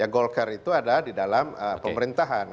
golkar itu ada di dalam pemerintahan